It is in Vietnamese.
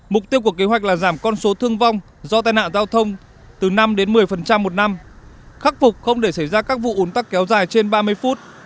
mục tiêu của kế hoạch là giảm con số thương vong do tai nạn giao thông từ năm đến một mươi một năm khắc phục không để xảy ra các vụ ủn tắc kéo dài trên ba mươi phút